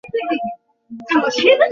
তিনি কিছুদিন বরিশালে আইন ব্যবসা করেন।